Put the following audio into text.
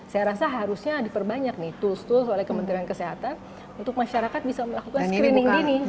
saya rasa harusnya diperbanyak nih tools tools oleh kementerian kesehatan untuk masyarakat bisa melakukan screening dini